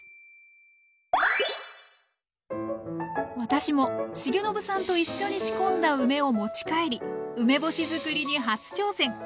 私も重信さんと一緒に仕込んだ梅を持ち帰り梅干し作りに初挑戦。